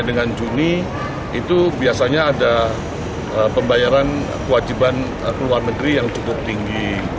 dan dengan juni itu biasanya ada pembayaran kewajiban keluar negeri yang cukup tinggi